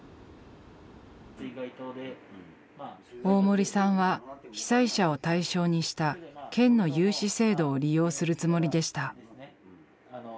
大森さんは被災者を対象にした県の融資制度を利用するつもりでした。